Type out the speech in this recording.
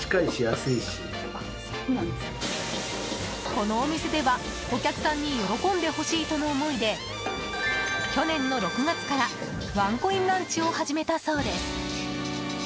このお店では、お客さんに喜んでほしいとの思いで去年の６月からワンコインランチを始めたそうです。